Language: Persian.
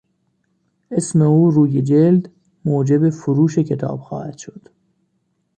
اسم او روی جلد موجب فروش کتاب خواهد شد.